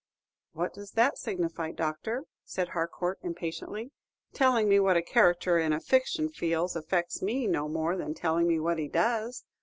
"What does that signify, Doctor?" said Harcourt, impatiently. "Telling me what a character in a fiction feels affects me no more than telling me what he does.